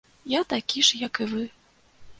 Я такі ж, як і вы.